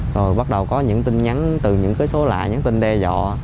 rồi bắt đầu có những tin nhắn từ những số lạ những tin đe dọ